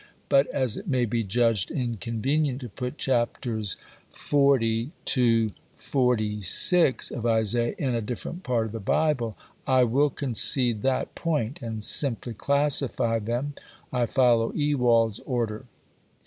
But as it may be judged inconvenient to put Chaps. xl. lxvi. of Isaiah in a different part of the Bible, I will concede that point and simply classify them (I follow Ewald's order).